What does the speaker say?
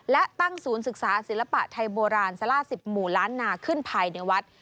และตั้งศูนย์ศึกษาศิลปะไทยโบราณสลา๑๐หมู่ล้านนาขึ้นภายในวัด